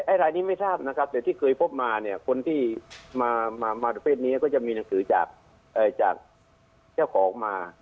รายนี้ไม่ทราบนะครับแต่ที่เคยพบมาเนี่ยคนที่มาประเภทนี้ก็จะมีหนังสือจากเจ้าของมา